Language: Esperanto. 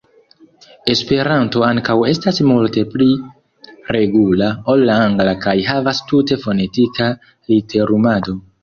Esperanto ankaŭ estas multe pli regula ol la angla kaj havas tute fonetika literumado.